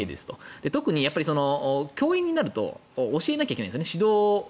特に教員になると教えないといけないんですね。